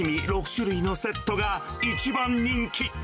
６種類のセットが一番人気。